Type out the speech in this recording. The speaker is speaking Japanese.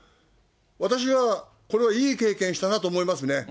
私はこれはいい経験をしたなと思いますね。